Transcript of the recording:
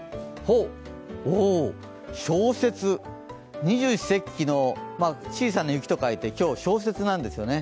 お、小雪、二十四節気の小さな雪と書いて今日、小雪なんですね